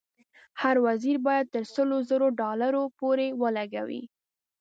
هر وزیر باید تر سلو زرو ډالرو پورې ولګوي.